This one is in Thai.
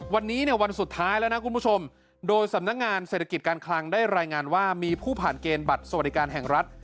วันนี้เนี่ยวันสุดท้ายแล้วนะคุณผู้ชมโดยสำนักงานเศรษฐกิจการคลังได้รายงานว่ามีผู้ผ่านเกณฑ์บัตรสวัสดิการแห่งรัฐ